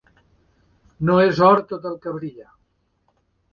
No és or tot el que brilla